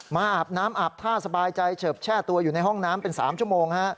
อาบน้ำอาบท่าสบายใจเฉิบแช่ตัวอยู่ในห้องน้ำเป็น๓ชั่วโมง